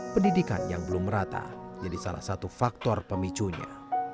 pendidikan yang belum merata jadi salah satu faktor pemicunya